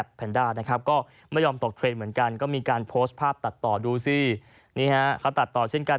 รอดแบบนี้ครับเขาตัดต่อเช่นกัน